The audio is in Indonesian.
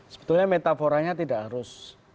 sebetulnya metaforanya tidak harus